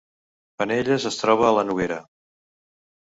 Penelles es troba a la Noguera